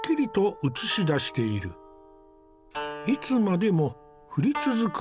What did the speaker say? いつまでも降り続く